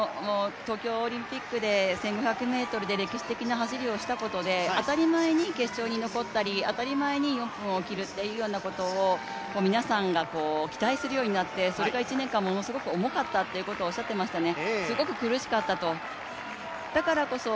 ただ、東京オリンピックで１５００ｍで歴史的な走りをしたことで当たり前に決勝に残ったり、当たり前に４分を切るというようなことを皆さんが期待するようになってそれが１年間ものすごく重かったっていうことをおっしゃっていましたね。